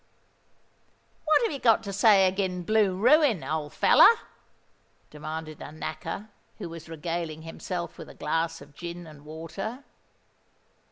"What have you got to say agin blue ruin, old feller?" demanded a Knacker, who was regaling himself with a glass of gin and water.